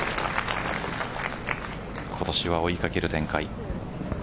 今年は追いかける展開。